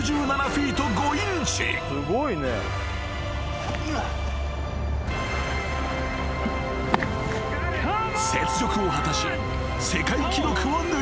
［雪辱を果たし世界記録を塗り替えた］